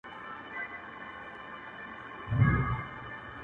د ملا انډیوالي تر شکرانې وي -